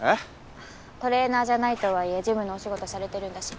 トレーナーじゃないとはいえジムのお仕事されてるんだし。